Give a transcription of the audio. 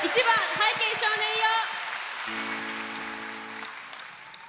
「拝啓、少年よ」。